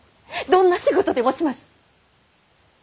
どんな仕事でもします！